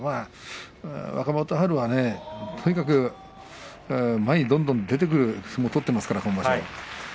若元春は、とにかく前にどんどん出てくる相撲を取っていますから今場所。